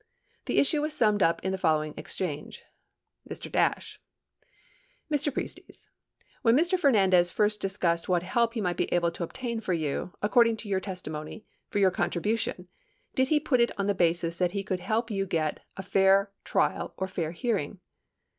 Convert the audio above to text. The issue was summed up in the following exchange : Mr. Dash. Mr. Priestes, when Mr. Fernandez first dis cussed what help he might be able to obtain for you, accord ing to your testimony, for your contribution, did he put it on the basis that he could help you obtain a fair trial or fair hearing